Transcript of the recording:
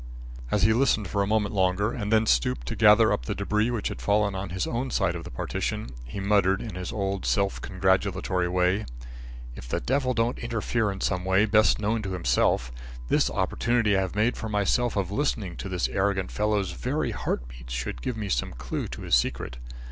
As he listened for a moment longer, and then stooped to gather up the debris which had fallen on his own side of the partition, he muttered, in his old self congratulatory way: "If the devil don't interfere in some way best known to himself, this opportunity I have made for myself of listening to this arrogant fellow's very heartbeats should give me some clew to his secret.